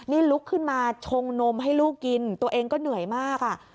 นี่ลุกขึ้นมาชงนมให้ลูกกินตัวเองก็เหนื่อยมากอ่ะ